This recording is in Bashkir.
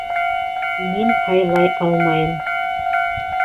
Мин һайлай алмайым.